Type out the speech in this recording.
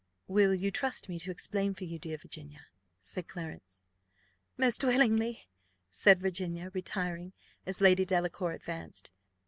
"Will you trust me to explain for you, dear Virginia?" said Clarence. "Most willingly," said Virginia, retiring as Lady Delacour advanced.